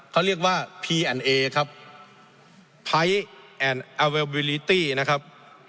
เขาเรียกว่าพีแอนเอครับนะครับ